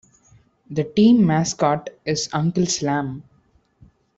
The team mascot is Uncle Slam.